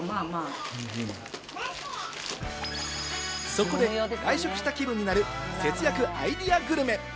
そこで、外食した気分になる節約アイデアグルメ。